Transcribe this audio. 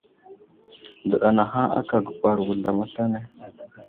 Nzəɗa anahaŋ aka gubar wuzlam aslane.